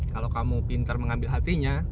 kalau kamu pinter mengambil hatinya